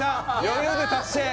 余裕で達成